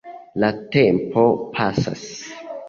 La tempo pasas.